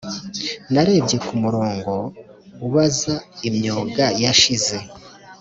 narebye kumurongo ubaza imyuga yashize.